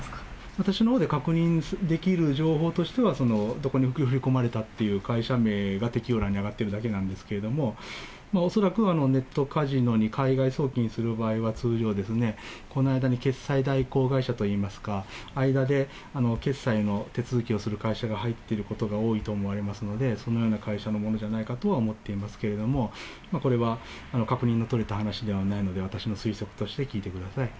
私のほうで確認できる情報としては、どこに振り込まれたっていう会社名だけ摘要欄に上がっているだけなんですが、恐らくネットカジノに海外送金する場合は、通常、この間に決済代行会社といいますか、間で決済の手続きをする会社が入っていることが多いと思われますので、そのような会社のものじゃないかとは思っていますけれども、これは確認の取れた話ではないので私の推測として聞いてください。